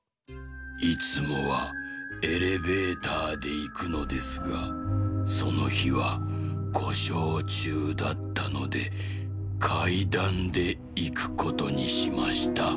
「いつもはエレベーターでいくのですがそのひはこしょうちゅうだったのでかいだんでいくことにしました。